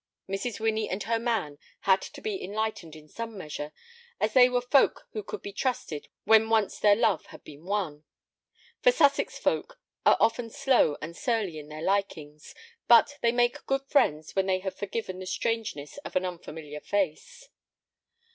Mrs. Winnie and her man had to be enlightened in some measure, and they were folk who could be trusted when once their love had been won; for Sussex folk are often slow and surly in their likings, but they make good friends when once they have forgiven the strangeness of an unfamiliar face.